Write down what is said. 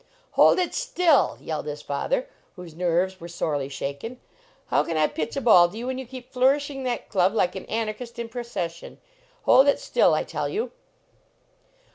"Hold it still!" yelled his father, whose nerves were sorely shaken. " How can I pitch a ball to you when you keep flourishing that club like an anarchist in procession. Hold it still, I tell you!"